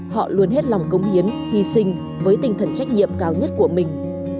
họ luôn hết lòng công hiến hy sinh với tinh thần trách nhiệm cao nhất của mình